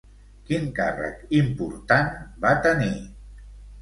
Quin càrrec important va tenir?